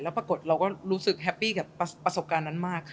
ปรากฏเราก็รู้สึกแฮปปี้กับประสบการณ์นั้นมาก